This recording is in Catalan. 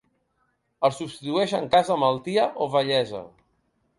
El substitueix en cas de malaltia o vellesa.